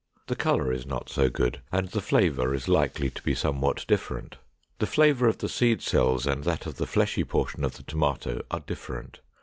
The color is not so good, and the flavor is likely to be somewhat different. The flavor of the seed cells and that of the fleshy portion of the tomato are different.